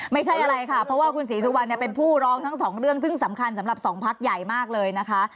ไม่ใช่อะไรค่ะเพราะว่าคุณศรีสุวรรณเป็นผู้ร้องทั้งสองเรื่องซึ่งสำคัญสำหรับสองพักใหญ่มากเลยนะคะ